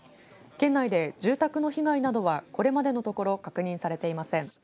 県内で住宅の被害などはこれまでのところ確認されていません。